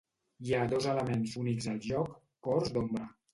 Hi ha dos elements únics al joc "Cors d'Ombra".